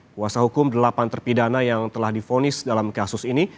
kuasa hukum delapan terpidana yang telah difonis dalam kasus ini